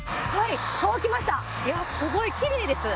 いやすごいきれいです。